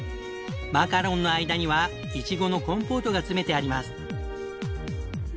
マカロンの間にはイチゴのコンポートが詰めてあります。